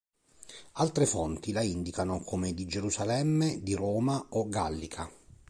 Altre fonti la indicano come di Gerusalemme, di Roma, o gallica.